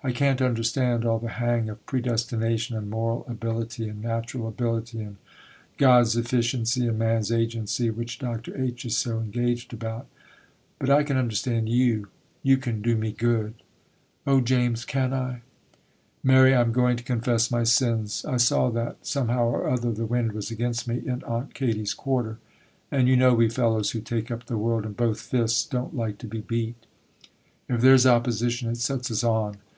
I can't understand all the hang of predestination, and moral ability, and natural ability, and God's efficiency, and man's agency, which Dr. H. is so engaged about; but I can understand you—you can do me good!' 'Oh, James, can I?' 'Mary I am going to confess my sins. I saw that, somehow or other, the wind was against me in Aunt Katy's quarter, and you know we fellows who take up the world in both fists don't like to be beat. If there's opposition, it sets us on.